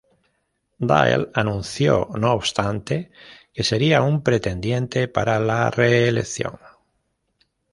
Dill anunció, no obstante, que sería un pretendiente para la reelección.